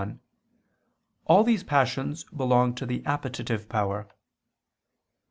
1), all these passions belong to the appetitive power.